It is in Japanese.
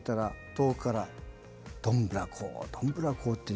「遠くからどんぶらこどんぶらこって」